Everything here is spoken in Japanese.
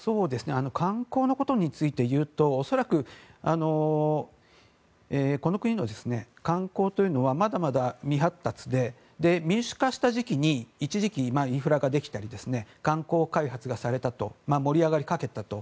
観光のことについていうと恐らくこの国の観光というのはまだまだ未発達で民主化した時期に一時期インフラができたり観光開発がされた盛り上がりかけたと。